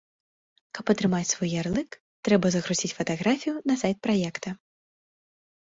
Каб атрымаць свой ярлык, трэба загрузіць фатаграфію на сайт праекта.